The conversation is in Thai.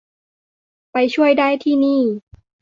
ไปช่วยได้ที่นี่